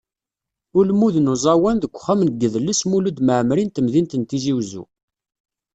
Ulmud n uẓawan deg uxxam n yidles Mulud Mɛemmri n temdint n Tizi Uzzu.